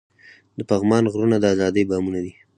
د پغمان غرونه د ازادۍ بامونه دي.